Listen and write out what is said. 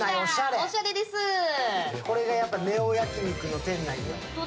これがネオ焼肉の店内だ。